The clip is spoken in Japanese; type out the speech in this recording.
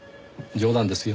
冗談ですよ。